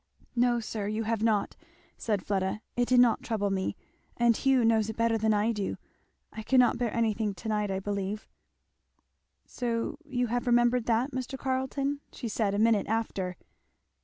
"No sir, you have not," said Fleda, "it did not trouble me and Hugh knows it better than I do. I cannot bear anything to night, I believe " "So you have remembered that, Mr. Carleton?" she said a minute after.